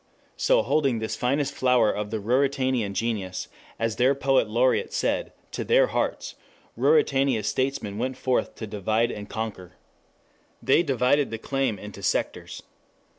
So holding this finest flower of the Ruritanian genius, as their poet laureate said, to their hearts, Ruritania's statesmen went forth to divide and conquer. They divided the claim into sectors.